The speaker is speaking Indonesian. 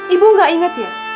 ibu nggak ingat ya